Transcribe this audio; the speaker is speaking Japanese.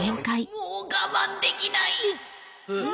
もう我慢できない！うっ。